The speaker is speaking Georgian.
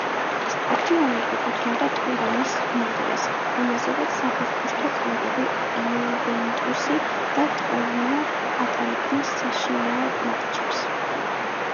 სტადიონი ეკუთვნოდა ტურინის მერიას, რომელზედაც საფეხბურთო კლუბები იუვენტუსი და ტორინო ატარებდნენ საშინაო მატჩებს.